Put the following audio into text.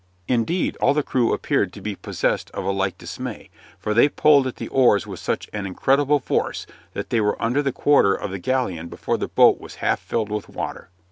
Indeed, all the crew appeared to be possessed of a like dismay, for they pulled at the oars with such an incredible force that they were under the quarter of the galleon before the boat was half filled with water.